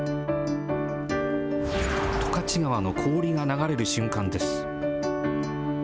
十勝川の氷が流れる瞬間です。